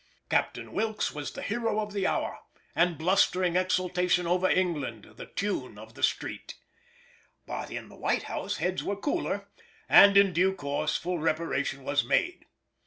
Captain Wilkes was the hero of the hour, and blustering exultation over England the tune of the street. But in the White House heads were cooler, and in due course full reparation was made.